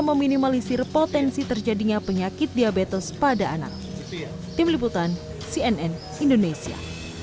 meminimalisir potensi terjadinya penyakit diabetes pada anak tim liputan cnn indonesia